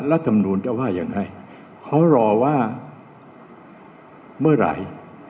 ลัตภัณฑ์หรูจะว่าอย่างไรเขารอว่าเมื่อไหร่